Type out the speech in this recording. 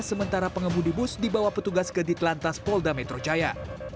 sementara pengemudi bus dibawa petugas ke ditlantas polda metro jaya